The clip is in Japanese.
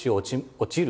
「落ちる？」